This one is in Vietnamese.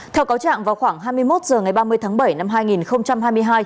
theo cáo trạng vào khoảng hai mươi một h ngày ba mươi tháng bảy năm hai nghìn hai mươi hai